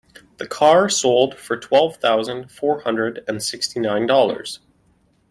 The car sold for twelve thousand four hundred and sixty nine dollars.